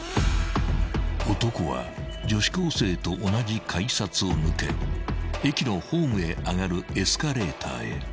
［男は女子高生と同じ改札を抜け駅のホームへ上がるエスカレーターへ］